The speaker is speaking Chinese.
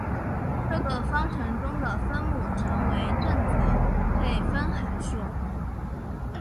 这个方程中的分母称为正则配分函数。